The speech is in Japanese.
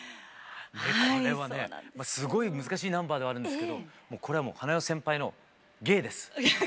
これはねすごい難しいナンバーではあるんですけどこれはもう花代先輩の芸です。